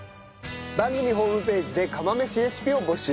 番組ホームページで釜飯レシピを募集しております。